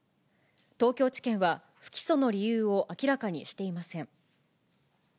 東京地検は、不起訴の理由を明らかにしていません。